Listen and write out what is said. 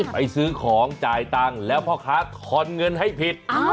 ไปซื้อของจ่ายตังค์แล้วพ่อค้าทอนเงินให้ผิด